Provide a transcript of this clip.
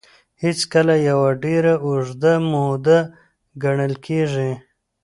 هېڅکله يوه ډېره اوږده موده ګڼل کېږي.